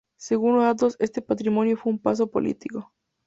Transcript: Según los datos este matrimonio fue un paso político.